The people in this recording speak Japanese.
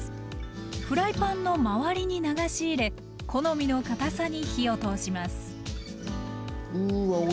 フライパンの周りに流し入れ好みのかたさに火を通します。